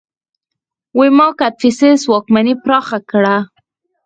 ویما کدفیسس واکمني پراخه کړه